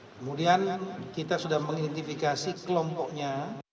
kemudian kita sudah mengidentifikasi kelompoknya